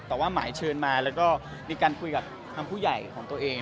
แต่ว่าหมายเชิญมาแล้วก็มีการคุยกับทางผู้ใหญ่ของตัวเอง